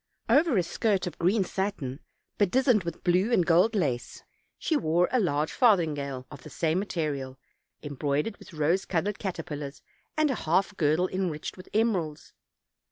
Over a skirt of green satin, bedizened with blue and gold lace, she wore a large farthingale of the same material, embroidered with rose colored caterpillars and a half girdle enriched with emeralds.